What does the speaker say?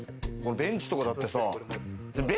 ベンチとかだってさ。